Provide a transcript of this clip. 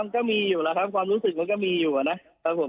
ก็มีอยู่แล้วครับความรู้สึกมันก็มีอยู่นะครับผม